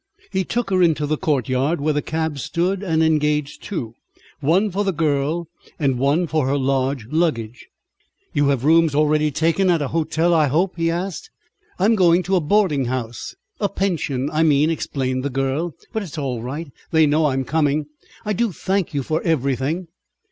He took her into the court yard, where the cabs stood, and engaged two, one for the girl, and one for her large luggage. "You have rooms already taken at an hotel, I hope?" he asked. "I'm going to a boarding house a pension, I mean," explained the girl. "But it's all right. They know I'm coming. I do thank you for everything."